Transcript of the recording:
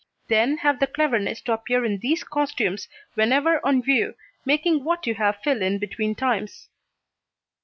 Then have the cleverness to appear in these costumes whenever on view, making what you have fill in between times.